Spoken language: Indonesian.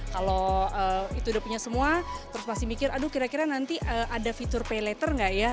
kalau itu udah punya semua terus masih mikir aduh kira kira nanti ada fitur pay later nggak ya